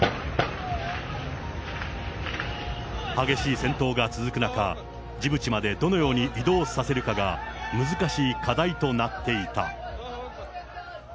激しい戦闘が続く中、ジブチまでどのように移動させるかが難しい課題となっていた。